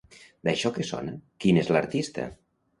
D'això que sona, qui n'és l'artista?